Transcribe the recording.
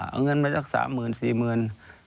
เอาเงินมาจากสามหมื่นสี่หมื่น